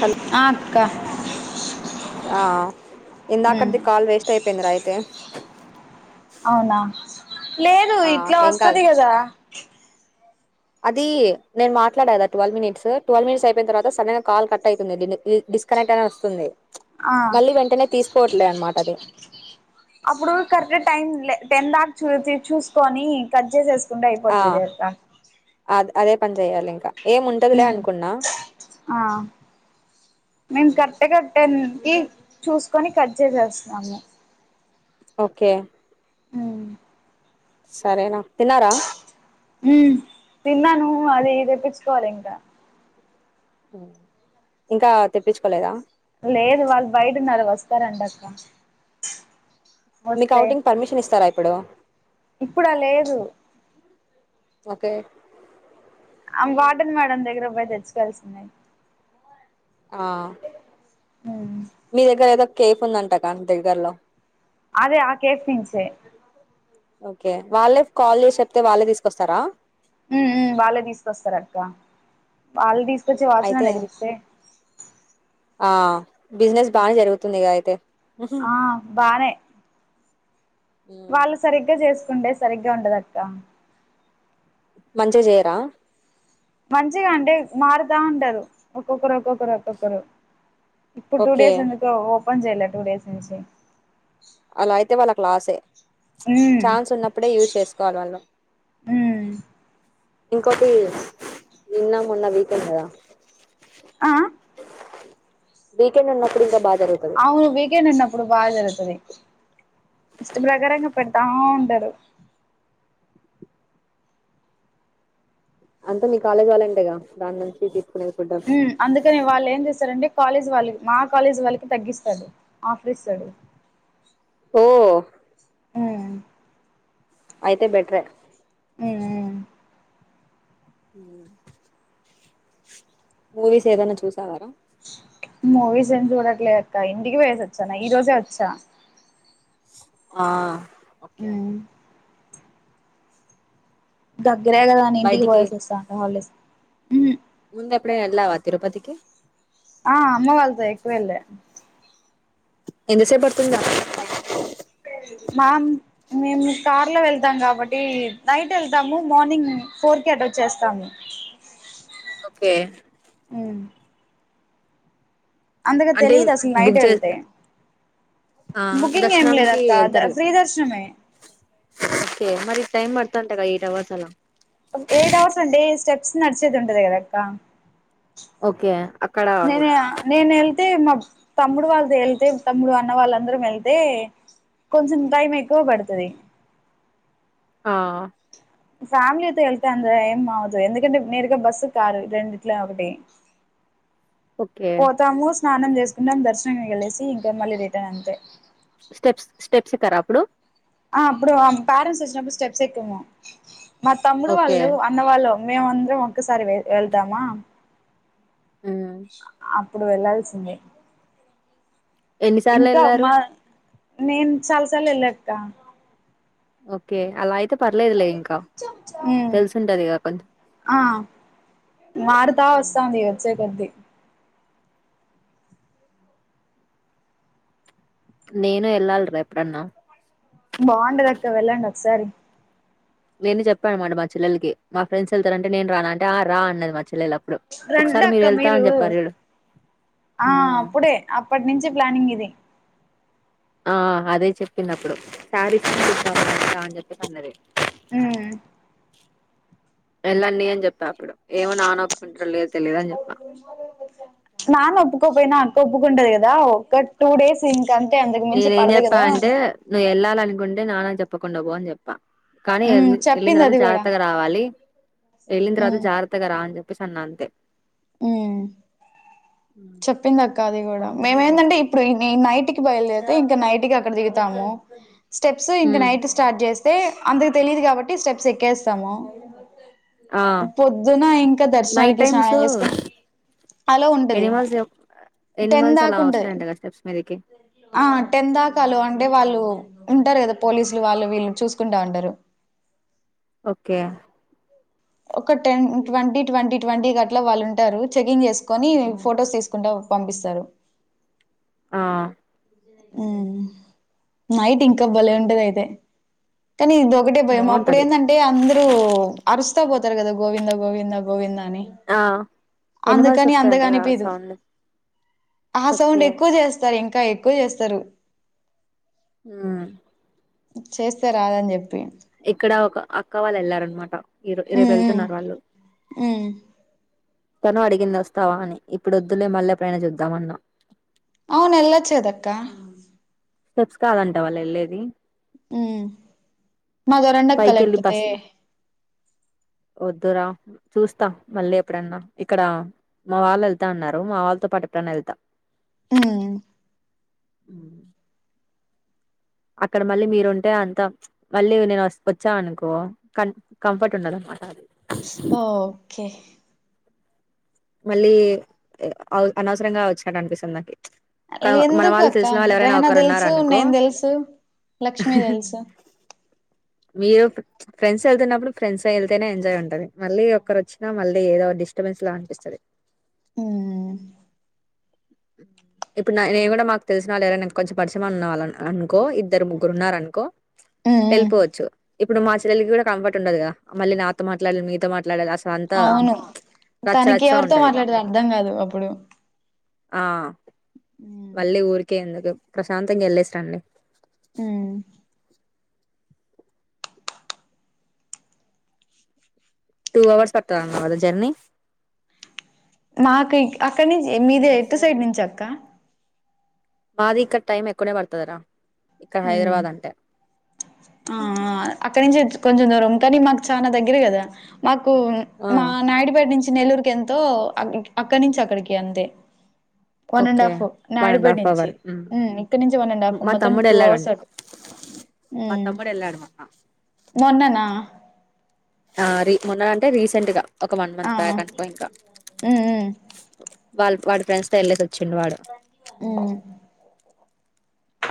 Hello ఆ అక్క ఆ ఉమ్ ఇందాకడిది కాల్ వేస్ట్ అయిపోయిందిరా అయితే. అవునా లేదు ఆ ఇట్లా ఒస్తది గదా. [inaudible] అదీ నేన్ మాట్లాడగదా ట్వల్వ్ మినిట్సూ ట్వల్వ్ మినిట్స్ అయిపోయిన తర్వాత సడన్గా కాల్ కట్ అయితుంది డిని ఈ డిస్కనెక్ [unintelligible] ఒస్తుంది ఆ మళ్ళీ వెంటనే తీసుకోవట్లే అనమాటది. అప్పుడూ కరెక్ట్ టైం లె టెన్ దా చూచి చూస్కోని కట్ చేసేసుకుంటే అయిపోతది కదక్క. అద్ అదే పని చెయ్యాలింకా. మ్మ్ ఆ మేం కర్ట్గా టెన్ కి చూసుకొని కట్ చేసేస్తున్నాము. ఒకే ఉమ్ సరేరా తిన్నారా. మ్మ్ తిన్నానూ అది తెప్పిచుకోవాలింకా. ఉ ఇంకా తెప్పిచుకోలేదా. లేదు వాళ్ళు బయటున్నారు వస్తారంటక్క. నీక్ అవుటింగ్ పర్మిషన్ ఇస్తరా ఇప్పుడూ. ఇప్పుడా లేదు ఓకే అ వార్డెన్ మేడం దగ్గరకు పోయి తెచ్చుకోవాల్సిందే. ఆ ఉమ్ మీ దగ్గరెదో కేఫ్ ఉందంటగా దగ్గర్లో. అదే ఆ కేఫ్ నించే. ఓకే వాళ్ళే కాల్ జేషి చెప్తె వాళ్ళే తీసుకొస్తరా. మ్మ్ మ్మ్ వాళ్ళే తీసుకొస్తరక్క వాళ్ళు తీసుకొచ్చి వాచ్మెన్ అయితే దగ్గరిస్తే ఆ బిజినెస్ బాగా జరుగుతుంది కదా అయితే. ఆ బానే వాళ్ళు సరిగ్గా చేసుకుంటే సరిగ్గా ఉండదక్కా. మంచిగ చేయరా. మంచిగ అంటే మారుతా ఉంటారు ఒక్కొక్కరు ఒక్కొక్కరు ఒక్కొక్కరు ఇప్పుడు టూ ఓకే డేస్ ఎందుకు ఓపన్ చేయలే టూ డేస్ నుంచి. అలా అయితే వాళ్ళకు లాసే. ఉమ్ ఛాన్స్ ఉన్నప్పుడే యూస్ చేస్కోవాలి వాళ్ళు. ఉమ్ ఇంకోటీ నిన్న మొన్న వీకెండ్ కదా. ఆ వీకెండ్ ఉన్నాప్పుడింకాబా అవును వేగేన అన్నప్పుడు బాగా జరుగుతది ఇష్ట ప్రకారంగా పెడతా ఉంటడు. అంత మీ కాలేజ్ వాళ్ళంటగా దాన్నుంచి డి మ్మ్ అందుకని వాల్లేం చేశారండి. కాలేజ్ వాళ్ళకి మా కాలేజ్ వాళ్ళకి తగ్గిస్తాడు ఆఫర్ ఇస్తాడు. ఓ మ్మ్ అయితే బెట్రే ఊ ఊ [unintelligible] మూవీస్ ఏదన్న చూసావారా. మూవీస్ ఏం చూడట్లేదు అక్క ఇంటికి వేసొచ్చా ఈ రోజే వచ్చా ఆ ఒక్కే మ్మ్ దగ్గరే కదాని ఇంటికి పొయ్యేసి వస్తాను హాలిడేస్ మ్మ్ ముందెప్పుడైన ఎల్లావా తిరుపతికి ఆ అమ్మ వాళ్ళతో ఎక్కువెళ్లా ఎంతసేప్ పడుతుందా మామ్ మేము కార్ లో వెళ్తాం కాబట్టి నైట్ వెళ్తాము మార్నింగ్ ఫోర్ కే అటోచేస్తాము ఒక్కే మ్మ్ అంతగా అంటే తెలియదు అసలు నైట్ బుక్చే వెళ్తే ఆ బుకింగ్ ఏం దర్శనానికి లేదక్క ఎళ్తారు ఇగ.. ఫ్రీ దర్శనమే ఓకే మరి టైమ్ పడుతంటా గా ఎయిట్ అవర్స్ అలా నడ్సేది ఉంటది కదక్కా ఓకే నేనే ఆ నేను అయితే మా తమ్ముడు వాళ్ళతో ఎలతే తమ్ముడు అన్న వాళ్ళందరం ఎళ్తే కొంచెం టైం ఎక్కువ బడుతుది ఆ.. ఫ్యామిలీతో వెళ్తే అంత ఏం అవదు ఎందుకంటే నేరుగా బస్సు కాారు రెండిట్లో ఒకటి ఓకే పోతాము స్నానం చేసుకున్నం దర్శనం ఇగ లేసి మళ్ళీ రిటర్న్ అంతే స్టెప్స్ స్టెప్స్ ఎకరా అప్పుడు ఆ అప్పుడు ఆ పెరెంట్స్ వచ్చినప్పుడు స్టెప్స్ ఎక్కము మా తమ్ముడు ఓకే వాళ్ళు అన్న వాళ్ళు మేమందం ఒక్కేసారి వె ఎల్దమా ఉమ్. ఆ.. అప్పుడు వెళ్ళాల్సిందే ఎన్నిసార్లు ఎల్లారు నెన్ సాలసళ్ళు వెళ్ళాక్క ఒక్కె అలాయితే ఉమ్ తెలిసుంటదిగా కొంచెం ఆ.. మారుతా ఉమ్. వస్తాంది వచ్చే కొద్దీ నేను ఎల్లలిరా ఎప్పుడన్నా బాగుందిరక్క వెళ్ళండి ఒకసారి నేను చెప్పా అనమాట మా చెల్లెల్కి మా ఫ్రెండ్స్ ఎల్తారంటే నేన్ రాన అంటే ఆ రా అన్నది చ్చలేల అప్పుడు రండి ఒకసారి అక్క మీరు ఎల్థారనీ చెప్పార్చుడు ఆ అప్పుడే అప్పట్నుంచే ప్లానింగ్ ఇది ఆ అదే చెప్పిందపుడు శారీ చూస్తావా అని చెప్పి అన్నది ఉమ్మ్.. ఎలాన్నీ అన్ చెప్ పిడు ఏమో నానఒప్కుంటాడో లేదుో తెలీదని చెప్ప కొప్పుకుంటది కదా ఒక్క టూ డేస్ ఇ నేనే ఏం చెప్పా అంటే నువ్ ఎల్లాలనుకుంటే నానక్ చెప్పకుండా పోో అని చెప్పా కానీ ఉమ్ ఎల్లి ఎల్లిన్ చెప్పింది తర్వాత అది కూడా జాగ్రత్తగా రావాలి ఎల్లిన్ తర్వాత ఉమ్ జాగ్రత్తగా రాఅని చెప్పి పసన్నంతే ఉమ్ చెప్పిందక్కా అది గుడా మేమెందంటే ఇప్పుడు ఈ నైట్ కి బయలుదేరితే ఇంకా నైట్ కి అక్కడ దిగుతాము స్టెప్స్ ఇంకా ఉమ్ నైట్ స్టార్ట్ చేస్తే అందరికి తెలీయదు కాబట్టి స్టెప్స్ ఎక్కేస్తాము ఆ పొద్దున ఇంకా నైట్ దర్శనానికి టైమ్స్ స్నానం చేసుకుని... అలో ఉంటది ఎనిమల్స్ ఎనిమల్స్ అలా టెందాకుంటది వస్తాయంట కదా స్టెప్స్ మీదకి ఆ.. టెన్ తాకాలు అంటే వాళ్ళు ఓ ఉంటారు కదా పోలీసులు వాళ్ళు వీళ్ళు చూసుకుంటా అంటరు ఒక్కే ఒక టెన్, ట్వంటీ, ట్వంటీ, ట్వంటీ గట్ల వాళ్ళు ఉంటారు చెకింగ్ చేసుకొని ఫొటోస్ తీసుకుంటా పంపిస్తారు ఆ ఉమ్ నైట్ ఇంకా భలే ఉంటదయితే కానీ ఇది ఒకటే పోయాము అప్పుడు బాగుంటది ఏంటంటే అందరూ అరుస్తా పోతారు కదా గోవిందా గోవిందా గోవిందా అని ఆ ఎనిమల్స్ అందుకని అంతగా వస్తాయంటగా అనిపీదు సౌండ్ ఆ ఓకే సౌండ్ ఎక్కువ చేస్తారు ఇంకా ఎక్కువ చేస్తారు ఉమ్ చేస్తే రాదని చెప్పి ఇక్కడ ఒక అక్క వాళ్ళు వెళ్లారనమాట ఇ రేపు వెళ్తున్నారు వాళ్ళు మ్ తను అడిగింది వస్తావా అని ఇప్పుడు వద్దులే మళ్ళీ ఎప్పుడైనా చూద్దామన్నా అవును వెళ్ళొచు కదా అక్కా స్టెప్స్ కాదంట వాళ్ళు వెళ్ళేది ఉమ్ మాతో రండక్కా పైకెళ్ళి లేకపోతే బస్ వద్దురా చూస్తా మళ్ళీ ఎప్పుడన్నా ఇక్కడ మా వాళ్ళు వెళ్తా అన్నారు మా వాళ్ళతో పాటు ఎప్పుడన్నా వెళ్తా హ్మ్ ఉమ్ అక్కడ మళ్ళీ మీరుంటే అంతా మళ్ళీ నేను వ వచ్చా అనుకో కం కంఫర్ట్ ఉండదు అన్నమాట అది స్ ఓ ఓకే మళ్ళీ అ అనవసరంగా వచ్చినట్టు అనిపిస్తుంది నాకి ఎందుకు అక్క రెహనా ఒకరు ఉన్నారు తెలుసు అనుకో నేను తెలుసు లక్ష్మీ తెల్సు [inaudible] మీరు ఫ్రెండ్స్ వెళ్తున్నప్పుడు ఫ్రెండ్స్ వెళ్తేనే ఎంజాయ్ ఉంటాది మళ్ళీ ఒక్కరు వచ్చినా మళ్ళీ ఏదో డిస్టర్బెన్స్ లా అనిపిస్తుంది ఉమ్ ఇప్పుడు నేను కూడా మాకు తెలిసిన వాళ్ళు ఎవరన్నా కొంచెం పరిచయం ఉన్న వాళ్ళని అనుకో కో ఓ ఇద్దరు ముగ్గురు ఉన్నారనుకో ఉమ్ ఉమ్ వెళ్ళిపోవచ్చు ఇప్పుడు మా చెల్లలికి కూడా కంఫర్ట్ ఉండదు కదా మళ్ళి నాతో మాట్లాడాల మీతో మాట్లాడాల అవును తనకి ఎవరితో ఉంటది మాట్లాడేది అర్థం కాదు అప్పుడు ఆ ఉమ్ మళ్ళీ ఊరికే ఎందుకు ప్రశాంతంగా వెళ్లేసి రండి ఉమ్ టూ హవర్స్ పడతది అన్నావ్ కదా జెర్నీ మాకు అక్కడి నుంచి మీది ఎటు సైడ్ నుంచి అక్క మాది ఇంకా టైమ్ ఎక్కువనే పడుతాదిరా ఉమ్ ఆ అక్కడి నుంచి కొంచెం దూరం కానీ మాకు చాలా దగ్గర కదా మాకు ఆ మా నాయుడుపేట నుంచి నెల్లూరుకి ఎంతో అక్కడి నుంచి అక్కడికి అంతే one and okay half one and Naidupeta half నుంచి అవర్ హ్మ్. ఉమ్ ఇక్కడ నుంచి వన్ అండ్ హాఫ్ మా మొత్తం తమ్ముడు టూ అవర్స్ వెళ్ళాడంట మా ఉమ్ తమ్ముడు వెళ్ళాడు మొన్న మొన్ననా ఆ రే మొన్న అంటే రీసెంట్ గా ఒక వన్ ఆ మంత్ బ్యాక్ అనుకో ఇంకా ఉమ్ ఉమ్ వాళ్ళ వాడి ఫ్రెండ్స్ తో వెళ్ళేసి వచ్చిండు వాడు ఉమ్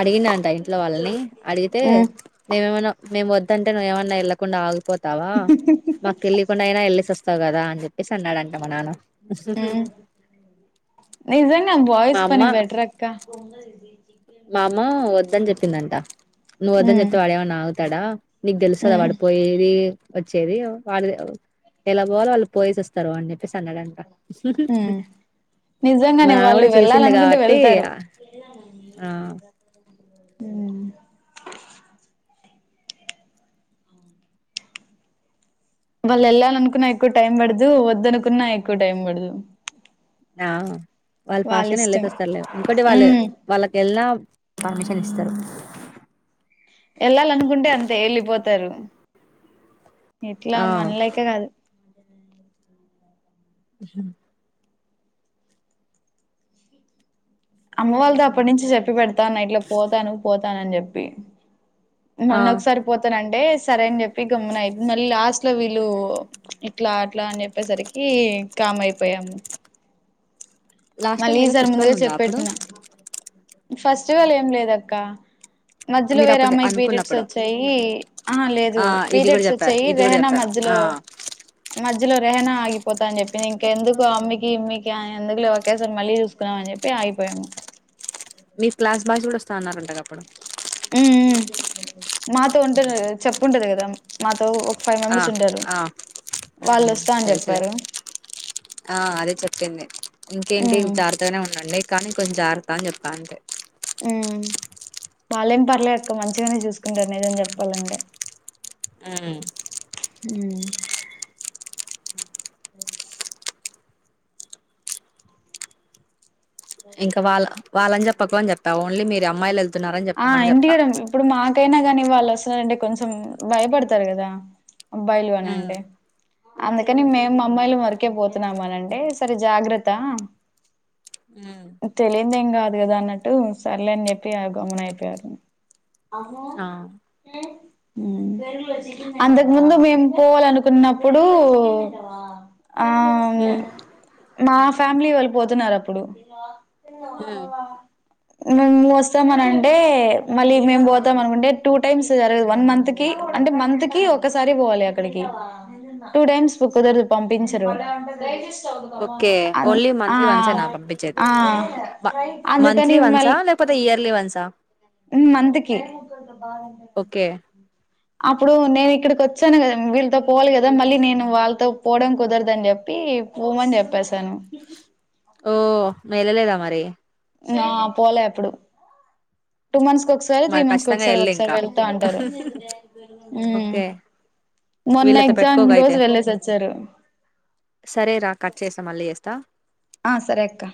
అడిగిన అంట ఇంట్లో వాళ్ళని అడిగితే ఉమ్ నేమేమన్నా మేము వద్దంటే నువ్వు ఏమన్నా వెళ్లకుండా ఆగిపోతావా మాకు తెలియకుండా అయినా వెళ్ళేసి వస్తావు కదా అని చెప్పి స అన్నాడంటా మా నాన్న ఉమ్ నిజంగా మా బాయ్స్ అమ్మ పని బెటర్ అక్కా మా అమ్మ వద్దని చెప్పిందంట నువ్వొద్దని ఉమ్ చెప్తే వాడేమన్నా ఆగుతాడా నీకు తెలుస్తదా ఉమ్ వాడుపోయేది వచ్చేది వాళ్ళు ఎలా పోవాలో వాళు పోయేస స్తారు అని చెప్పేసి అన్నాడంటా ఉమ్ మా నిజంగానే నాన్న వాళ్ళు కూడా చేసింది వెళ్ళాలనుకుంటే కాబట్టి వెళ్తారు ఆ మ్.. వాళ్ళు ఎళ్ళాలనుకున్న ఎక్కువ టైం పడదు వద్దు అనుకున్నా ఎక్కువ టైం పడదు ఆ వాళు వాళ్ళ ఫాష్ట్ గానె ఎళ్ళెసి ఇష్టం వస్తారులే ఇంకోటి వాళ్ళు ఉమ్ వాళ్ళకి ఎళ్నా పర్మిషన్ ఇస్తారు వెళ్ళాలనుకుంటే అంతే వెళ్ళిపోతారు ఇట్లా ఆ మనలైక కాదు హు మ్ అమ్మ వాళ్ళతో అప్పటి నుంచి చెప్పి పెడతాన్న ఇట్లా పోతాను పోతానని చెప్పి ఆ మొన్న ఒక సరిపోతానంటే సరే అని చెప్పి గమ్మున అయింది మళ్ళీ లాస్ట్ లో వీళ్ళు ఇట్లా అట్లా అని చెప్పేసరికీ కామ్ అయిపోయాము లాస్ట్ టైం ఏదో మళ్ళీఈసారి ఫెస్టివల్ ముందుగా ఉందా అప్పుడు చెప్పెట్టిన ఫస్టివల్ ఏం లేదక్క మధ్యలో మీరు వేరే అప్పుడు అమ్మాయికి పీరియడ్స్ అనుకున్నప్పుడు వచ్చాయి ఆ హా లేదు ఆ ఇది కూడా పీరియడ్స్ చెప్పారు వచ్చాయి ఇది కూడా రెహనా చెప్పారు మధ్యలో ఆ మధ్యలో రెహనా ఆగిపోతా అని చెప్పింది ఇంకెందుకు అమ్మికి ఇమ్మికి అ ఎందుకులె ఒకసారి మళ్ళీ చూసుకున్నాం అని చెప్పి ఆగిపోయాము మీ క్లాస్ బాయ్స్ కూడా వస్తాంఅన్నారంటగ అప్పుడు మ్... ఉమ్ మాతో ఉంటరు కద చెప్పుంటది కదా మాతో ఫైవ్ ఆ మెంబర్స్ ఉంటారు ఆ వాళ్ళు హ్మ్. వస్తా అని తెలుసులే చెప్పారు ఆ అదే చెప్పింది ఇంకేంటి ఉమ్ జాగ్రత్తగానే ఉండండి కానీ కొంచెం జాగ్రత్త అని చెప్పా అంతే మ్ వాళ్ళేం పర్లేక్క మంచిగానే చూసుకుంటారు నిజం చెప్పాలంటే మ్... మ్... ఇంకా వాళ్ళ వాళ్ళని చెప్పకు అని చెప్పా ఓన్లీ మీరు అమ్మాయిలు వెళ్ ఆ ఇంటికడ ఇప్పుడు మాకైనా గానీ వాళ్ళు వస్తున్నారంటే కొంచెం భయపడతారు కదా అబ్బాయిలు అని అంటె చెప్పా అందుకని మేము అమ్మాయిలంవరకే పోతున్నాము అనంటే సరే జాగ్రత్త తెలియందేం కాదు కదా అన్నట్టు సర్లే అని చెప్పి ఆ గమ్మున అయిపోయారు అవునా ఆ అంతకు ముందు మేము పోవాలనుకున్నప్పుడూ ఆ మ్ మా ఫ్యామిలీ వాళ్ళు పోతున్నారు అప్పుడు మ్మ్ నువ్వొస్త వస్తాం అని అంటే మళ్ళీ మేం పోతాం అనుకుంటే టూ టైమ్స్ జరగదు వన్ మంత్ కి అంటే మంత్ కి ఒక్కసారి పోలే అక్కడికి టూ టైమ్స్ కుదరదు పంపించరు ఓకే అ ఓన్లీ మంత్లీ వన్సేనా పంపించేది ఆ మ అందుకని మంత్లీ వన్సా మళ్ళీ లేకపోతే ఇయర్లీ వన్స్ మంత్ కి ఓకే అప్పుడు నేను ఇక్కడికి వచ్చాను కదా వీళ్ళతో పోవాలి కదా మళ్ళీ నేను వాళ్ళతో పోవడం కుదరదని చెప్పి పోమని చెప్పేసాను ఓ వెళ్ళలేదా మరి నా పోలే అప్పుడు టూ మంత్స్ కి ఒకసారి త్రీ మరి మంత్స్ కి ఖచ్చితంగా ఒకసారి వెళ్ళు ఒకసారి ఇంకా వెళ్తా ఉంటారు. మ్ ఓకే మొన్న వీళ్ళతో ఎగ్జామ్ రోజు వెళ్లేేసి వచ్చారు సరేరా కట్ చేస్తా మళ్ళీ చేస్తా ఆ సరే అక్క